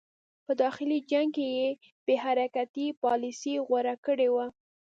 په داخلي جنګ کې یې بې حرکتي پالیسي غوره کړې وه.